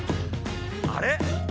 あれ？